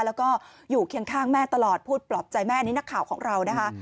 แล้วก็อยู่เคียงข้างแม่ตลอดพูดปลอบใจแม่นี่นักข่าวของเรานะคะ